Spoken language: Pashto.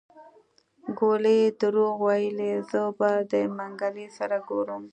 ګولي دروغ ويلي زه به د منګلي سره ګورم.